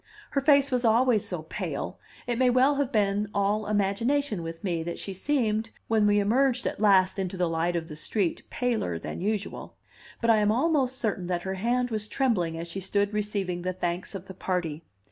Her face was always so pale, it may well have been all imagination with me that she seemed, when we emerged at last into the light of the street, paler than usual; but I am almost certain that her hand was trembling as she stood receiving the thanks of the party.